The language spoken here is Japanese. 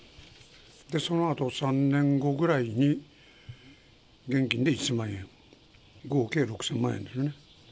そのあと、３年後ぐらいに現金で１０００万円、合計６０００万円ですね。